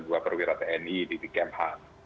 dua perwira tni di kemhan